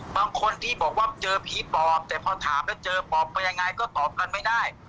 บางคนที่บอกว่าเจอผีปอบแต่พอถามแล้วเจอปอบไปยังไงก็ตอบกันไม่ได้